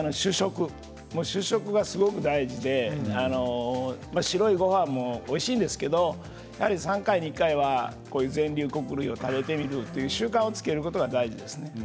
主食がとても大事で白いごはんも、おいしいですけど３回に１回は全粒穀類を食べてみるという習慣をつけることが大事です。